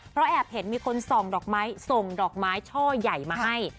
เพราะแอบเห็นมีคนส่องดอกไม้ส่งดอกไม้ช่อใหญ่มาให้